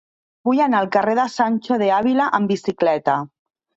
Vull anar al carrer de Sancho de Ávila amb bicicleta.